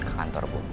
ke kantor bu